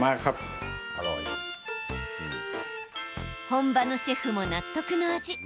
本場のシェフも納得の味。